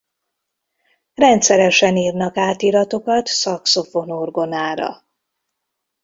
Rendszeresen írnak átiratokat szaxofon-orgonára.